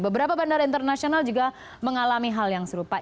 beberapa bandara internasional juga mengalami hal yang serupa